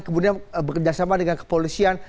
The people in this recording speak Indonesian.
kemudian kerjasama dengan kepolisian